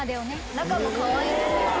中もかわいいんです。